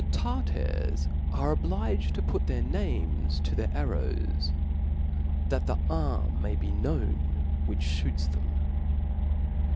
Tartars arjp obliged to put ^cir name* ■•, to .their arrows, thajt the arm n>ay be^ known yl^ich iho9ts tljcm.